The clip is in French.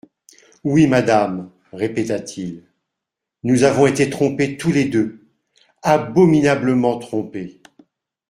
Oui, madame, répéta-t-il, nous avons été trompés tous les deux, abominablement trompés.